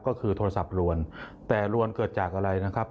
ก็คือโทรศัพท์ลวนแต่ลวนเกิดจากอะไรนะครับ